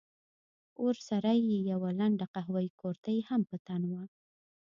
ورسره يې يوه لنډه قهويي کورتۍ هم په تن وه.